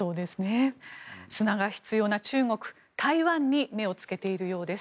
砂が必要な中国台湾に目をつけているようです。